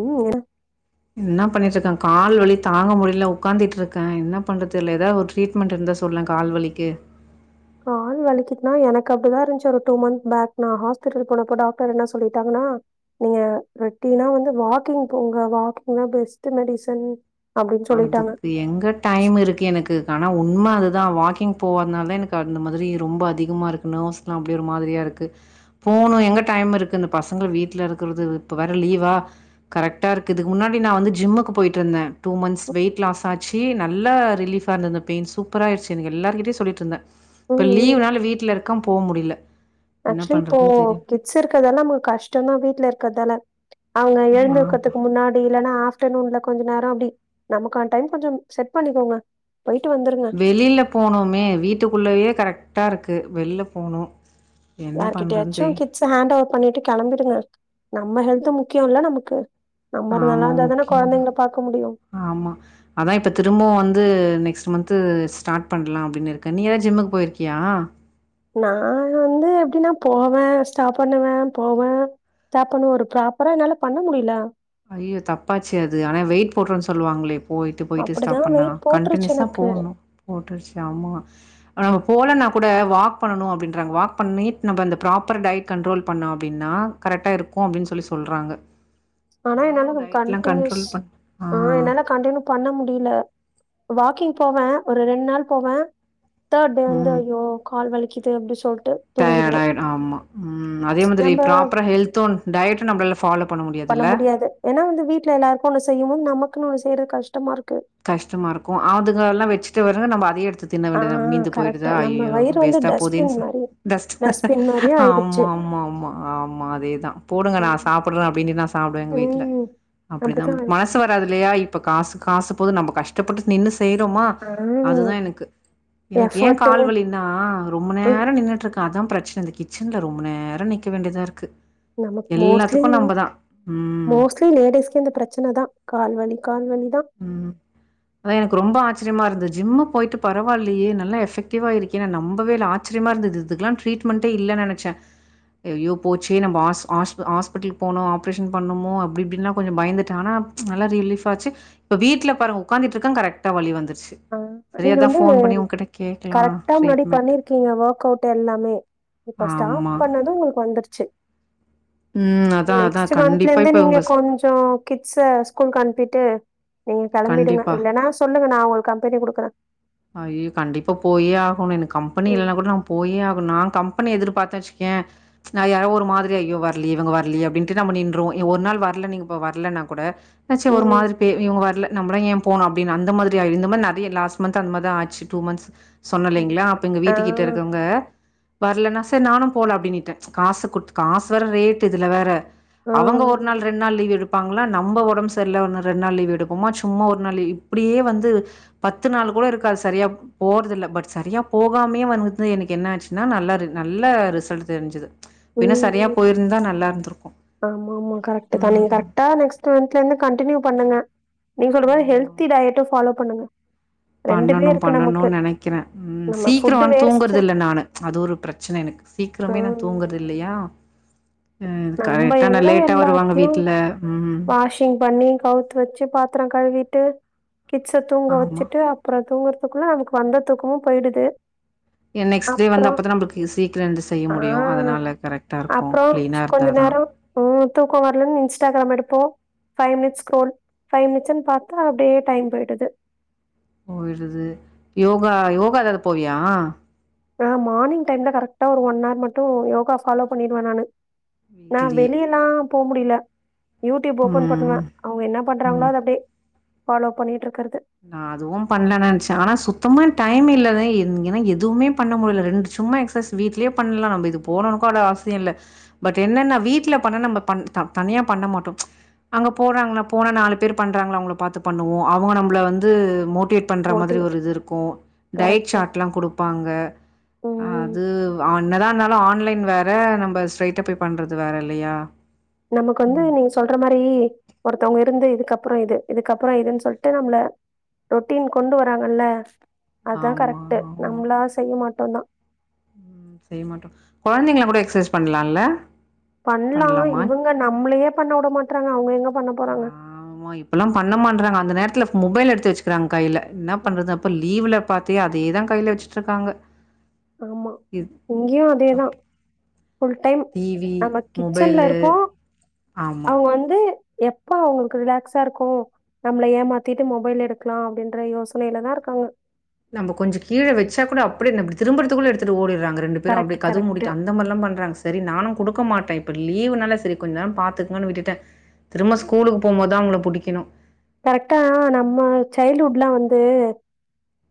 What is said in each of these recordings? ஊ என இன்ன பண்ணிட்டு இருக்கே கால் வலி தாங்க முடில உக்காந்துட்டு இருக்கே என்ன பண்றது தெர்ல எதாது ஒரு ட்ரீ்ட்மெண்ட் இருந்தா சொல்லே கால் வலிக்கு கால் வலிக்கிதுனா எனக்கு அப்டிதா இருந்துச்சு ஒரு டூ மந்த் பேக் நா ஹாஸ்பிட்டல் போனப்போ டாக்டர் என்ன சொல்லிட்டாங்கன்னா நீங்க ரொட்டீனா வந்து வாக்கிங் போங்க வாக்கிங்தா பெஸ்ட்டு மெடிசன் அப்படின்னு சொல்லிட்டாங்க. அதுக்கு எங்க டைம் இருக்கு எனக்கு ஆனா உண்ம அது தா வாக்கிங் போவாதுனால தா எனக்கு அந்த மாரி ரொம்ப அதிகமா இருக்கு நேர்வஸ் அப்டி ஒரு மாதிரியா இருக்கு போணு எங்க டைம் இருக்கு இந்த பசங்க வீட்ல இருக்கறது இப்ப வேற லீவா கரெக்டா இருக்குது இதுக்கு முன்னாடி நா வந்து ஜிம்முக்கு போய்ட்டு இருந்தே டூ மந்த்ஸ் வெயிட் லாஸாச்சு நல்ல ஃரிலிபாருந்தது இந்த பெயின் சூப்பரா ஆகிடுச்சு எனக்கு எல்லார்கிட்டயு சொல்லிட்டு இருந்தே இப்ப ம், ம். லீவ்னால வீட்டுல இருக்கவு போ முடில ஆக்சுவலி இப்போ கிஸ் இருக்கதல்ல நமக்கு கஷ்டோ தா வீட்ல இருக்கறதால அவங்க எழுந்து ஆமா. இருக்கறதுக்கு முன்னாடி இல்லன்னா ஆ ஆப்டர்நூன்ல கொஞ்சா நேரோ அப்டி நமக்கனா டைம் கொஞ்சோ செட் பண்ணிக்கோங்க போய்ட்டு வந்துருங்க வெளியில போணுமே வீட்டுக்குள்ளயே கரெக்ட்டா இருக்கு வெளில போணு யார்கிட்டயாச்சு கிட்ஸ ஹேண்ட் ஓவர் பண்ணிட்டு கிளம்பிடுங்க நம்ம ஹெல்து முக்கியோல்ல நமக்கு நம்ம நல்லா ஆமா இருந்தாதானே முக்கியந்தான். கொழந்தைங்கள பாக்க முடியு ஆமா அதா இப்ப திரும்பவு வந்து நெக்ஸ்ட் மந்த் ஸ்டார்ட் பண்ணலா அப்டின்னு இருக்கே நீ எதாது ஜிம்முக்கு போயிருக்கியா நா வந்து எப்டினா போவே ஸ்டாப் பண்ணுவே போவே ஸ்டாப் பண்ணுவே ஒரு ப்ராப்பரா என்னால பண்ண முடில அய்யய்யோ தப்பாச்சே அது ஆனா வெயிட் போட்றுனு சொல்வாங்ளே போய்ட்டு போய்ட்டு அப்டிதா ஸ்டாப் பண்ணா வெயிட் போட்ருச்சு கண்டினிவஸா எனக்கு போணு போட்ருச்சு ஆமா நம்ம போலனா கூட வாக் பண்ணணு அப்டின்றாங்க வாக் பண்ணிட் நம்ப அந்த ப்ராப்பர் டயட் கண்ட்ரோல் பண்ணோ அப்டின்னா கரட்டா இருக்கு அப்டின் சொல்லி சொல்றாங்க ஆனா நானு என்னால ஒரு டயட்லா கண்டினியூஸ் கண்ட்ரோல் பண் ஆ என்னால கண்டினியூப் பண்ண முடியல வாக்கிங் போவே ஒரு ரெண்நாள் போவே தேர்ட்டே வந்து ம் ஐயோ கால் வலிக்குது அப்டி சொல்ட்டு டயார்டா தூங்கிடுவே ஆயிடு ஆமா உம் அதே மாதிரி நம்ப ப்ராப்ரா ஹெல்த்தோ அன் டயட்டோ நம்ளால ஃபாலோ பண்ண முடியா பண்ண முடியாது ஏன்னா வந்து வீட்ல எல்லாருக்கு ஒண்ணு செய்யுனு நமக்குனு ஒண்ணு செய்றதுக்கஷ்டமா இருக்கு கஷ்டமா இருக்கு ஆதுங்கல்லா வெச்சுட்டு வர்ர நம்ப அதையே எடுத்து தின்ன ஆ வேண்டியதா மீந்து கரெக்ட் போயிடுதா நம்ம ஐய்யோ வயிறு வந்து வேஸ்டா போதேன் டஸ்ட்பின் மாரி டஸ்ட் டஸ்ட்பின் மாரியே ஆமா ஆயிடுச்சு ஆமா ஆமா ஆமா அதேதா போடுங்க நா சாப்புற்றே அப்டினு நா சாப்டுவே எங்க வீட்ல ம் அப்டிதா அப்டித்தா மன சு வராது இல்லியா இப்ப காசு காசு போது நம்ம கஷ்டப்பட்டு நின்னு செய்றோமா ஆ அதுதா எனக்கு எனக்கு ஏ எஃபர்ட்டு கால்வலி நா ரொம்ப ம் நேரோ நின்னுட்ருக்கே அதா பிரச்சன இந்த கிச்சன்ல ரொம்போ நேரோ நிக்க வேண்டியதாருக்கு நமக்கு எல்லாத்துக்கு நம்பதா உம் க்க லேடிஸ்க்கு இந்த பிரச்சன தா கால்வலி கால்வலி தா உம் அதா எனக்கு ரொம்போ ஆச்சரியமா இருந்து ஜிம்மு போய்ட்டு பரவாயில்லையே நல்ல எஃபக்டிவா இருக்கே நா நம்பவே இல்ல ஆச் சிரியமா இருந்தது இதுக்லா ட்ரீட்மெண்டே இல்லன் நெனச்சே அய்யோ போச்சே நம்ப ஹாஸ் ஹாஷ்ப் ஹாஸ்பிட்டலுக் போனு ஆப்ரேஷன் பண்ணணுமோ அப்டி இப்டின்லா கொஞ்சோ பயந்துட்டே ஆனா நல்லா ரிலீஃப்பாச்சு இப்போ வீட்ல பாருங்க உட்காந்துட்ருக்கே கரெக்டா வலி வந்துருச்சி ஆ நீங்க வந்து [unintelligible] கேட்கலாம் கரெட்டா முன்னாடி ட்ரீட்மெண்ட். பண்ணிருக்கீங்க ஒர்க்கவுட் எல்லாமே இப்ப ஸ்டாப் ஆமா. பண்ணது உங்ளுக்கு வந்துருச்சி ம். அதான், அதான். நெக்ஸ்ட்டு மந்த்ல கண்டிப்பா இருந்தே இப்ப நீங்க உங்க ஸ் கொஞ் சோ கிட்ஸ ஸ்கூல்கு அன்பிட்டு நீங் கெளம்பிடுங்க கண்டிப்பா. இல்லனா சொல்லுங்க நா உங் கம்பெனி குடுக்கற அய்யோ கண்டிப்பா போயே ஆகனு எனக்கு கம்பெனி ம் இல்லனா கூட நா போயே ஆகுனு நா கம்பெனி எதிர்பாத்த வெச்சுக்யே நா யாரோ ஒரு மாதிரி ஐயோ வர்லியே இவுங்க வர்லியே அப்டின்டு நம்போ நின்றுவோ இவ ஒரு நாள் வர்ல நீங்க இப்ப வர்லனா கூட னாச்சி ஒரு ம் மாரி பே இவுங்க வர்ல நம்பளா ஏ போனு அப்டினு அந்த மாதிரி ஆயி இந்த மாரி நெறைய லாஸ்ட் மந்த் து அந்த மார்தா ஆச்சி டூ மந்த்ஸ் சொன்ன கரெக்ட். இல்லைங்ளா அப்பெங்க ஆ வீட்டு கிட்ட இருக்கவங்க வர்லனா செரி நானு போல அப்டினிட்டே காசு குட்த்து காசு வேற ரேட்டு் இதுல வேற ஆ அவுங்க ஒரு நாள் ரெ ண் நாள் லீவ் எடுப்பாங்ளா நம்ப ஒடம் செர்ல்ல ஒன்னு ரெண் நாள் லீவ் எடுப்போமா சும்மா ஒரு நாள்லு இப்டியே வந்து பத்து நாள் கூட இருக்காத் செரியா போற்து இல்ல பட் சரியா போகாமேயே வந்துட் எனுக்கு என்ன ஆச்சினா நல்லாரு நல்ல ரிசல்ட் தெரிஞ்சது பின்ன ம் சரியா ம் போயிருந்தா நல்லா இருந்திருக்கும். ஆமா மா கரெக்ட்டு தா நீங்க ம். கரெக்டா நெக்ஸ் டூ மந்த்லந்து கண்டினியூ பண்ணுங்க நீங்க சொல்ற மாரி ஆமா. ஹெல்தி டயட்டு ஃபாலோ பண்ணுங்க ரெண்டுமே பண்ணணு இருக்கு பண்ணணு நமக்கு நெனைக்ற ம் நம்ம சீக்கிர ஃபுட்டு வந் வேஸ்ட்டு தூங்குறது இல்ல நானு அது ஒரு பிரச்சன எனுக் சீக்ரமே நா ம் தூங்குறது இல்லையா அ நம்ம கரெட்டா நா எங்க லேட்டா வருவாங்க வீட்ல ம் ம் க்ளின் பண்ணி கவுத்து வெச்சு பாத்ர கழுவிட்டு கிட்ஸ தூங்க ஆமா. வச்சிட்டு அப் றோ தூங்குறதுக்குள்ள நமக்கு வந்த தூக்கமு போயிடுது ஏ நெக்ஸ்ட் டே வந்து அப்புறோ அப்பதா நம்புளுக்கு சீக்ர எழுந்து செய்ய ஆ முடியு அதனால கரெட்டா இருக்கு அப்புறோ க்ளீனா இருக் கொஞ்ச நேரோ உ தூக்க வர்லனு இன்ஸ்டாகிராம் எடுப்போ ஃபை மினிட்ஸ் ஸ்க்ரோல் ஃபைவ் மினிட்ஸ்ன் பாத்தா அப்டியே டைம் போய்டுது போயிடுது யோகா யோகா ஏதாவது போவியா ஆ மார்னிங் டைம்ல கரெக்ட்டா ஒரு ஒன் ஹார் மட்டு யோகா ஃபாலோ பண்ணிடுவே நானு நா வீட்லயே. வெளிய எல்லா போ முடியில யூடியூப் ஓப்பன் பண்ணுவே ம். அவுங்க என்ன பண்றாங்ளோ ம். அத அப்டே ஃபாலோ பண்ணிட்ருக்கற்து நா அதுவு பண்ல நென்ச்ச ஆனா சுத்தமா டைமே இல்லாத இங்கனா எதுவுமே பண்ண முட்ல ரெண்டு சும்மா எக்சைஸ் வீட்லே பண்லா நம்ப இது போனுனு கூட அவசிய இல்ல பட் என்னனா வீட்ல பண்ணா நம்ப பண் த தனியா பண்ண மாட்டோ அங்க போறாங்கனா போனா நாலு பேர் பண்றாங்ளா அவுங்ள பாத்துப் பண்ணுவோ அவுங்க நம்பள வந்து மோட்டிவேட் பண்ற மாதிரி மோட்டிவேட் ஒரு இது இருக்கு டயட் கரெக்ட் சாட்லா குடுப்பாங்க ம் அது ப அன்னதா இருந்தாலு ஆன்லைன் வேற நம்ப ஸ்ட்ரைட்டா போய் பண்றது வேற இல்லையா நமக்கு வந்து ம். நீ சொல்ற மாரி ஒருத்தவங்க இருந்து இதுக்கப்றோ இது இதுக்கப்றோ இதுன் சொல்ட்டு நம்ள ரொட்டீன் கொண்டு வராங்கல்ல அதா ஆமா, கரெக்ட்டு ஆமா. நம்ளா செய்ய மாட்டோ தா ம் செய்ய மாட்டோ கொழந்தைங்கள கூட எக்சைஸ் பண்லால்ல பண்லா இவுங்க நம்ளையே பண்ண வுட மாட்றாங்க அவுங்க எங்க பண்ண போறாங்க ஆமா இப்பெல்லா பண்ண மாட்றாங்க அந்த நேரத்ல மொபைல் எடுத்து வச்க்கிறாங் கையில என்ன பண்றது அப்ப லீவ்ல பாத்தி அதே தா கைல வச்சிட்ருக்காங்க ஆமா இங்கியு அதே தா ஃபுல் டைம் டிவி, நம்ம கிச்சன்ல மொபைலு. இருப்போ ஆமா. அவுங்க வந்து எப் ப்தா அவுங்ளுக்கு ரிலாக்ஸா இருக்கு நம்மள ஏமாத்திட்டு மொபைல் எடுக்லா அப்டின்ற யோசனைல தா இருக்காங்க நம்ப கொஞ்ச கீழ வெச்சா கூட அப்டியே நம்படி திரும்பறத்துக்குள்ள எடுத்துட்டு ஒடிற்றாங்க ரெண்டு பேரு அப்டி கரெக்ட், கதவு கரெக்ட். மூடிக் அந் இந்த மார்ல்லா பண்றாங்க செரி நானு குடுக்க மாட்டே இப்ப லீவுனால செரி கொஞ் நேரம் பாத்துக்ங்கன் விட்டுட்டே திரும்ப ஸ்கூலுக்கு போம்போத் தா அவுங்கள புடிக்கணு கரெக்ட்டா நம்ம சைல்டுஹுட்லா வந்து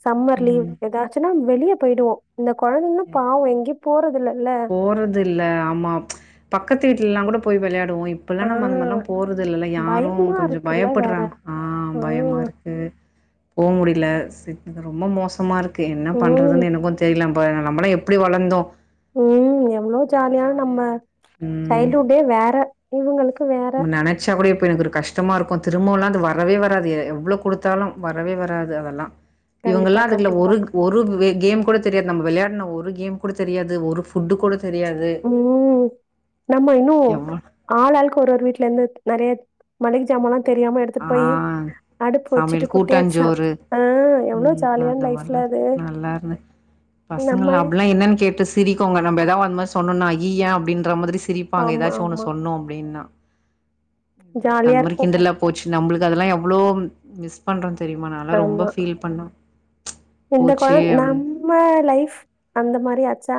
சம்மர் லீவ் ம். எதாச்சுன்னா வெளிய போய்டுவோ இந்த கொழந்தைங்லா பாவோ எங்கயு போறதில்லல்ல போறதில்ல ஆமா பக்கத்து வீட்லல்லா கூட போய் வெளையாடுவோ இப் பல்லா ஆ நம்ம அந்த மாரிலா போறதில்லல்ல யாரு பயமா கொஞ்சோ இருக்குல்ல வேற பயப்பட்றாங் ஆ பயமா இருக் கு போ முடில சிட் இது ரொம்ப மோசமா இருக்கு என்ன ம் பண்றதுன் எனக்கு தெரில நம் ப நம்மல்லா எப்பிடி வளந்தோ ம் எவ்ளோ ஜாலியா நம்ம இருந்தோம். ம். சைல்டுஹுட்டே வேற இவுங்களுக்கு வேற ச்சா கூடி இப்போ எனக்கு ஒரு கஷ்டமாருக்கு திரும்பவுல்லா அது வரவே வராது எ எவ்ளோ குடுத்தாலு வரவே வராது அதெல்லா கண்டிப்பா இவங்கல்லா அதுல கண்டிப்பா ஒரு க் ஒரு வே கேம் கூட தெரியாது நம்ம விளயாட்ன ஒரு கேம் கூட தெரியாது ஒரு ஃபுட்டு கூட தெரியாது ம் நம்ம இன்னு எவ்வ ஆளாள்க்கு ஒரு ஒரு வீட்லர்ந்து நெறைய மளிக ஜாமால்லா தெரியாம ஆ எடுத்துட்டு போயி அடுப்பு வெச்சுட்டு சமையல் குட்டியா சா கூட்டாஞ்சோறு ஆ எவ்ளோ ம் ஜாலியான் லைஃப்ல்ல அது நம்ம பசங்கல்லா அப்பிட்லா என்னன் கேட்டு சிரிக்குங்க நம்ப எதா அந் மார் சொன்னோனா அய்யிய்ய அப்டின்ற மாதிரி சிரிப் பாங்க ஆமா எதாச்சு ஒன்னு ஆமா சொன்னோ அப்டின்னா இவுங்ளுக்கு அந் ஜாலியா மாரி இருக்கும் கிண்டலா போச்சு நம்பளுக்கு அதெல்லா எவ்ளோ மிஸ் பண்றோ தெரியுமா நால்லா ஆமா ரொம்ப ஃபீல் பண்ண இந்த குழ போச்சே அப்டினு நம்ம லைஃப் அந்த மாரி ஆச்சா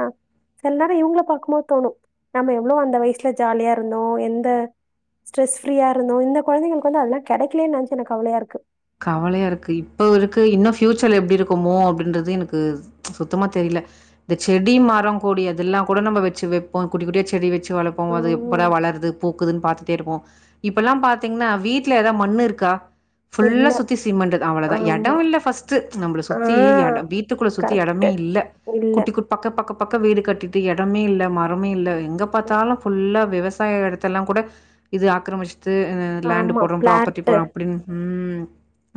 சில நேரோ இவுங்கள பாக்கும்போது தோணு நம்ம எவ்ளோ அந்த வய்சுல ஜாலியா இருந்தோ எந்த ஸ்ட்ரெஸ் ஃப்ரீயா இருந்தோ இந்த கொழந்தைங்களுக் வந்து அதெல்லா கெடைக்கலேன் நென்ச்சு எனக் கவலையா இருக்கு கவலையா இருக்கு இப்ப இருக்கு இன்னு ஃப்யூச்சர்ல எப்டி இருக்குமோ அப்டின்றது எனக்கு சுத்தமா தெரில இந்த செடி, மரோ, கொடி அதெல்லா கூட நம்ம வெச்சு வெப்போ குட்டி குட்டியா செடி வெச்சு சு வளப்போ அது எப்படா ஆஹ் வளருது, பூக்குதுன் பாத்துட்டே இருப்போ இப்பெல்லா பாத்தீங்ன்னா வீட்ல எதா மண்ணுருக்கா ஃபுல்லா இல்ல சுத்தி சிமெண்டு அவள தா எடோ ஆமா இல்ல ஃபஸ்ட்டு நம்பள சுத்தி ஆஹ் எடோ வீட்டுக்குள்ள சுத்தி கரெக்ட் எடமே இல்ல இல்ல குட்டி குட் பக்க பக்க பக்கோ வீடு கட்டிட்டு எடமே இல்ல மரமே இல்ல எங்க பாத்தாலு ஃபுல்லா விவ சாய எடத்தல்லா கூட இது ஆக்கரமிஸ்ட்டு அ அ லேண்டு ஆமா போட்றோ பிளாட் ப்ராப்பர்டி போட்றோ அப்டின் ம்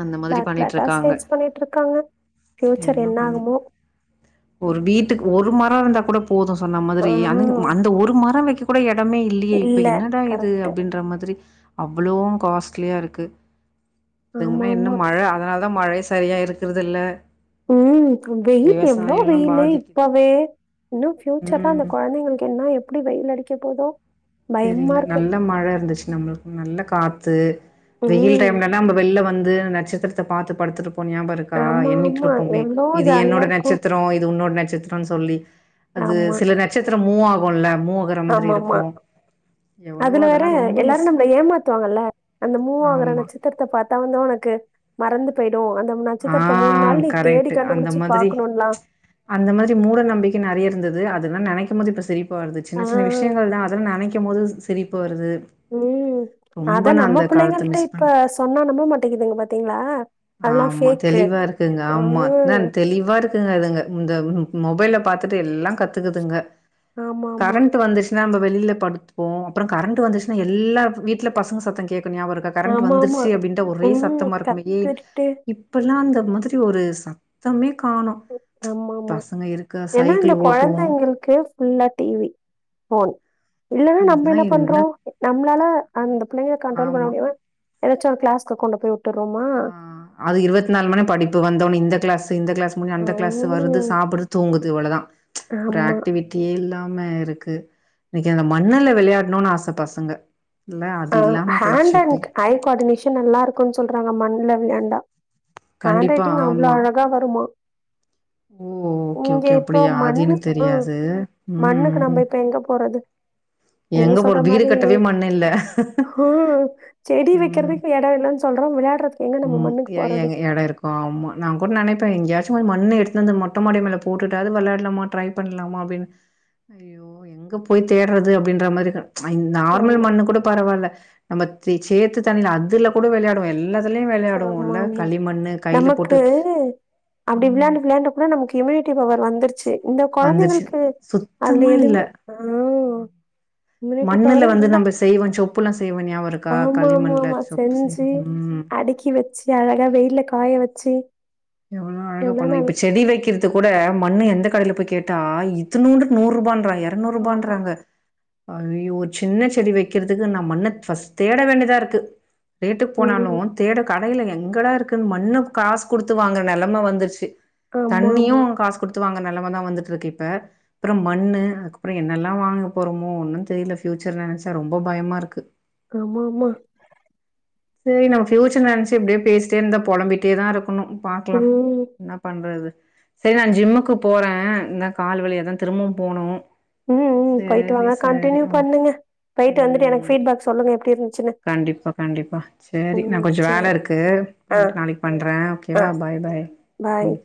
அந்த மாதிரி பிளாட் பிளாட்டா பண்ணிட்ருக்காங்க சேல்ஸ் பண்ணிட்டு இருக்காங்க ஃபியூச்சர் என்ன பண்ண ஆகுமோ ஒரு வீட்டுக் ஒரு மரோ இருந்தா கூட போது சொன்ன மாதிரி அதயு ஆஹ் ம் அந்த ஒரு மரோ வெக்க கூட எடமே இல்லியே இப்ப இல்ல என்னடா இது கரெக்ட் அப்டின்ற மாதிரி அவ்ளோ காஸ்ட்லியா இருக்கு ஆமா துங்ன்னா இன்னு ஆமா மழ அதனால் தா மழை சரியா இருக்கிறதில்ல ம் கு வெயில் எவ்ளோ வெயிலு பாதிக்குது இப்பவே இன்னு ஃப்யூச்சர்ல அந்த ம் கொழந்தைங்களுக்கு என்னா எப்டி வெயில் அடிக்க போதோ பயமா தெரீல இருக்கு. நல்ல மழ இருந்துச் நம்மளுக்கு நல்ல காத்து வெயில் ம். டைம்ல நம்ப வெள்ல வந்து நட்சத்திரத்த பாத்து படுத்துட்ருப்போ ஞாப இருக்கா ஆமா, ஆமா. எண்ணீட்ருப்போமே எவ்ளோ இது ஜாலியா என்னோட இருக்கும். நட்சத்திரோ இது உன்னோட நட்சத்திரோன் சொல்லி அது ஆமா. சில நட்சத்திரோ மூவ் ஆகுல்ல மூவ் ஆகற மாதிரி ஆமாமா. இருக்கு அதுல வேற எல்லாரு நம்மள ஏமாத்துவாங்கல்ல அந்த மூவ் ஆகற ஆமா. நட்சத் திரத்த பாத்தா வந்து உனக்கு மறந்து போய்டு அந்த ஆ நட்சத்திரத்த மூணு நாள் நீ தேடி கரெக்ட்டு. அந்த கண்டுபிடிச்சு மாதிரி பாக்கணுன்லா அந்த மாரி மூட நம்பிக்க நெறைய இருந்துது அதெல்லா நெனைக்கும் போது இப்ப சிரிப் பா வருது ஆ. சின்ன சின்ன விஷயங்கள்லா அதெல் நெனைக்கும் போது ஸ் சிரிப்பு வருது ம் அத ரொம்ப நான் நம்ம அந்த காலத்த புள்ளைங்கள்ட்ட மிஸ் பண்றேன். இப்ப சொன்னா நம்ப மாட்டேங்குதுங்க பாத்தீங்களா ஆமா தெளிவா இருக்குங்க ஆமா நன் தெளிவா இருக் த்துனதுங்க இந்த மொபைல பாத்துட்டு எல்லா கத்துக்குதுங்க ஆமாமா. கரண்ட் வந்துச் சுனா நம்ப வெளில படுத்துப்போ அப்பறோ கரண்ட் வந்துச்சுன்னா எல்லா வீட்ல பசங்க சத்தோ கேக்கு நியாபகொ இருக்கா கரண்ட் ஆமாமா. வந்துருச்சு அப்டின்ட்டா ஒரே சத்தமா இருக்குமே ஏ ட்டு இப்பல்லா அந்த மாதிரி ஒரு சத்தமே காணோ ஆமாமா. பசங்க இருக்க சைக்கள் ஓட்டுவோ கேஸ் ஃபுல்லா டி வி ஃபோன் இல்லன்னா நம்ம என்ன பண்றோ நம்ளால அந்த புள்ளைங்கள கண்ட்ரோல் பண்ண ஆமா. முடியாம எதாச்சு ஒரு கிளாஸ்க்கு கொண்டு போய் வுட்டுர்றோமா ஆ அது இருவத்து நாலு மணி படிப்பு வந்தோனே இந்த கிளாஸ் இந்த கிளாஸ் முடி அந்த கிளாஸ் வருது ம். சாப்புடுது தூங்கு து இவ்ளதா ஒரு ஆமா. ஆக்டிவிட் டியே இல்லாம இருக்கு எனைக்கு அந்த மண்ணுல விளையாடணுனு ஆச பசங்க இல்ல அது அ இல்லாம போயிருச்சு ஹேண்ட் இப்பொ அண்ட் ஐ குவார்டினேஷன் நல்லாருக்குன் சொல்றாங்க மண்ல விளையாண்டா ஹேண் கண்டிப்பா ரைட்டிங் அவ்ளோ ஆமா அழக கா வருமா ஓ ஓகே ஓகே அப்டியா அது மண்ணு எனக்கு ம். தெரியாது மண்ணுக்கு ம் நம்ம இப்ப எங்க போறது? நீங்க எங்க போற வீடு கட்டவே மண்ணுல்ல ம் செடி வெக்கிறதுக் எடொ இல்லன்னு சொல்றோ விளையாடுறதுக் ம் எ எங் எடொ இருக்கு ஆமா நா கூட நெனப்பே எங்கயாச்சு போய் மண்ண எடுத்துனு வந்து மொட்ட மாடி மேல போட்டுட்டாது வெளையாடலாமா ட்ரை பண்ணலாமா அப்டின் ஐயோ எங்க போய் தேடுறது அப்டின்ற மாரிதா அந் நார்மல் ஆமா மண்ணு கூட பரவால்ல நம்ம சே சேத்து தண்ணில அதுல கூட வெளையாடுவோ எல்லா த்துலயு ஆமா வெளையாடுவோல ஆமா களிமண்ணு கைல போட்டு நமக்கு அதா நமக்கு இம்யூனிட்டி பவர் வந்துருச்சு இந்த வந்துருச்சு கொழந்தைகளுக்கு அதுல சுத்தமா இல்ல எதுமே ஆ இம்யூனிட்டி மண்ணுல பவரே வந்து இல்ல நம்ப செய்வோ சொப்புல்லா செய்வோ நியாபகொ இருக்கா ஆமா ஆமா களிமண்ல ஆமா சொப்பு செய்வோ செஞ்சு ம் அடுக்கி வெச்சு அழகா வெயில்ல காய வெச்சு எவ்ளோ அழகா பண்ணுவோ இப்ப செடி வெக்கிறக் த்து கூட மண்ணு எந்த கடைல போய் கேட்டா இத்துனூண்டு நூரூபாண்றாங்க ஆமா எரநூரூபான்றாங்க அயயோ சின்ன செடி வெக்கிறதுக்கு நா மண்ண ஃபஸ் தேட வேண்டியதாருக்கு ரேட்டுக் போனாலு ம் தேட கடைல எங்கடாருக்கு மண்ண காசு குடுத் த்து வாங்குற நெலம வந்துருச்சு ஆமா தண்ணியு ஆமா காசு குடுத்து வாங்குற நெலமதா வந்துட்டுருக்கு இப்ப அப்றோ மண்ணு அதுக்கப்பறோ என்னெல்லா வாங்க போறமோ ஒன்னு தெரியல ஃபியூச்சர நெனச்சா ரொம்ப பயமா இருக்கு ஆமாமா செரி நம்ம ஃப்யூச்சர நெனச்சு இப்டியே பேசிட்டே இருந்தா பொழம்பிட்டேதா இருக்கணு பாக்லா ம் என்ன பண்றது சரி நா ஜிம்முக்கு போறே இந்தா கால்வலியா தா திரும்பவு போனு ம் ம் போயிட்டு வாங்க கண்டினியூ ஓகே. பண்ணுங்க போயிட்டு வந்துட்டு எனக்கு ம் ஃபீட்பேக் சொல்லுங்க எப்டி இருந்துச்சுன்னு கண்டிப்பா கண்டிப்பா சரி நா ம் கொஞ்சொ வேல சேரி இருக்கு ஆ நாளைக்கு பண்றே ஆ ஓகேவா பாய் பாய் பாய் ம்